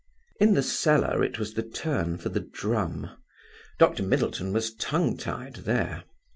In the cellar, it was the turn for the drum. Dr. Middleton was tongue tied there.